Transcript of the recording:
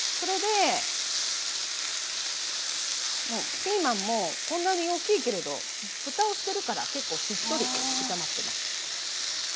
もうピーマンもうこんなに大きいけれどふたをしてるから結構しっとり炒まってます。